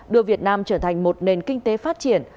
đưa việt nam trở thành một nền kinh tế phát triển